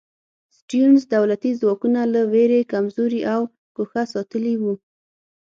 سټیونز دولتي ځواکونه له وېرې کمزوري او ګوښه ساتلي وو.